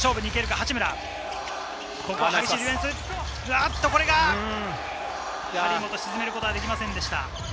張本は沈めることができませんでした。